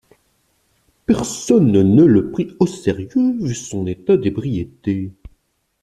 Personne ne le prit au sérieux vu son état d'ébriété.